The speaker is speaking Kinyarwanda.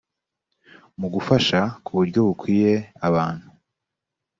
mu gufasha ku buryo bukwiye abantu